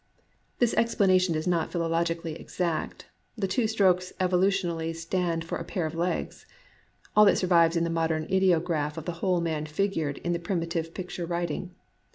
This explanation is not philologically exact ; the two strokes evolutionally standing for a pair of legs, — all that survives in the modern ideograph of the whole man figured in the primitive picture writing.